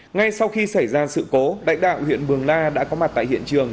ngay sau khi xảy ra sự cố lãnh đạo huyện mường la đã có mặt tại hiện trường